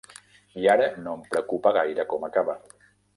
I ara no em preocupa gaire com acaba.